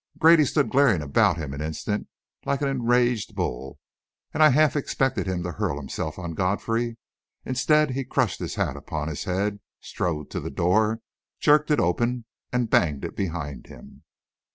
Grady stood glaring about him an instant, like an enraged bull, and I half expected him to hurl himself on Godfrey; instead, he crushed his hat upon his head, strode to the door, jerked it open, and banged it behind him.